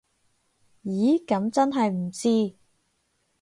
咦噉真係唔知